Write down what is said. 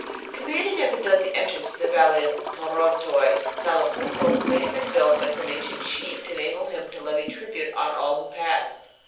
Commanding as it does the entrance to the valley of Torontoy, Salapunco may have been built by some ancient chief to enable him to levy tribute on all who passed.